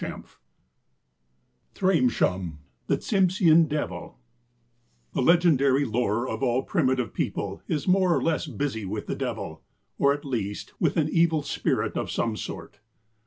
XV THRAIMSHUM, THE TSIMSHEAN DEVIL THE legendary lore of all primitive people is more or less busy with the devil, or, at least, with an evil spirit of some sort.